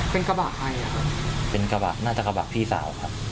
เป็นกระบะไข็นะครับน่าจะกระบระพี่สาว